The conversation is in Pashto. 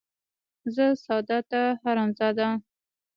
ـ زه ساده ،ته حرام زاده.